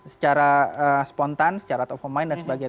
secara spontan secara top of mind dan sebagainya